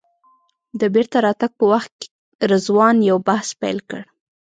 د بېرته راتګ په وخت رضوان یو بحث پیل کړ.